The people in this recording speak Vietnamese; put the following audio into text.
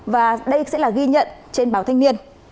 và đây sẽ là ghi nhận trên báo thanh niên